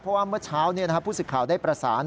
เพราะว่าเมื่อเช้าผู้สิทธิ์ข่าวได้ประสาน